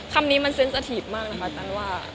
คำนี้มันเซ็นสถีฟมากนะคะตันว่า